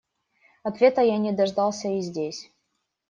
Ответа я не дождался и здесь.